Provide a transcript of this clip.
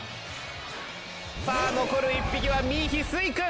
さぁ残る１匹はミイヒスイクン！